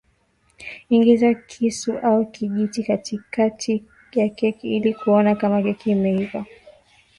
Ingiza kisu au kijiti katikati ya keki ili kuona kama keki imeiva